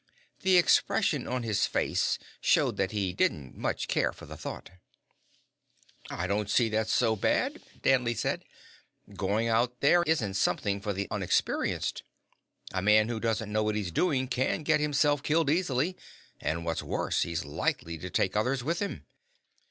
The expression on his face showed that he didn't much care for the thought. "I don't see that that's so bad," Danley said. "Going out there isn't something for the unexperienced. A man who doesn't know what he's doing can get himself killed easily, and, what's worse, he's likely to take others with him."